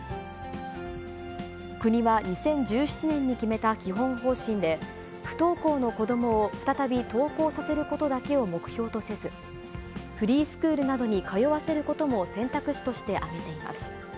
国は２０１７年に決めた基本方針で、不登校の子どもを再び登校させることだけを目標とせず、フリースクールなどに通わせることも選択肢として挙げています。